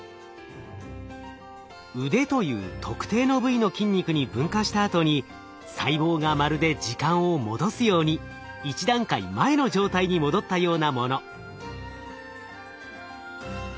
うでという特定の部位の筋肉に分化したあとに細胞がまるで時間を戻すように一段階前の状態に戻ったようなもの。